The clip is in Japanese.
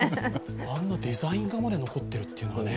あのデザイン画まで残っているっていうね。